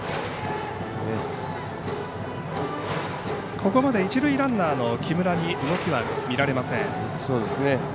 ここまで一塁ランナーの木村に動きは見られません。